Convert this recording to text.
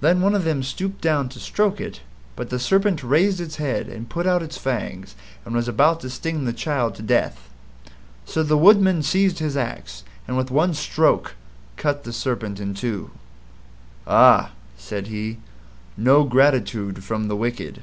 Then one of them stooped down to stroke it, but the Serpent raised its head and put out its fangs and was about to sting the child to death. So the Woodman seized his axe, and with one stroke cut the Serpent in two. "Ah," said he, "NO GRATITUDE FROM THE WICKED."